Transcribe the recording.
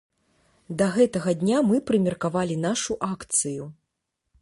Да гэтага дня мы прымеркавалі нашу акцыю.